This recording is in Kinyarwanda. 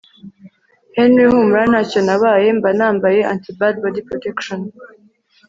Henry humura ntacyo nabaye mba nambaye antibar body protection